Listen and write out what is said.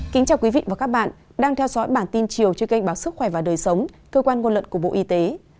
kính chào quý vị và các bạn đang theo dõi bản tin chiều trên kênh báo sức khỏe và đời sống cơ quan ngôn luận của bộ y tế